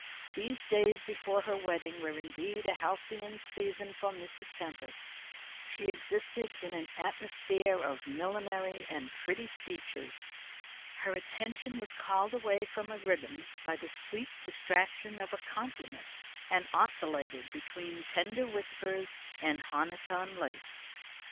These days before her wedding were indeed a halcyon season for Mrs. Tempest. She existed in an atmosphere of millinery and pretty speeches. Her attention was called away from a ribbon by the sweet distraction of a compliment, and oscillated between tender whispers and honiton lace.